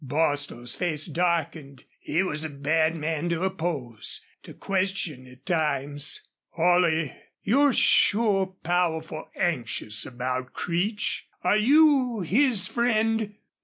Bostil's face darkened. He was a bad man to oppose to question at times. "Holley, you're sure powerful anxious about Creech. Are you his friend?"